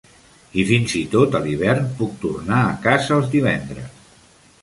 I fins i tot a l'hivern puc tornar a casa els divendres.